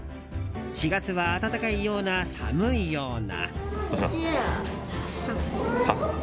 ４月は暖かいような寒いような。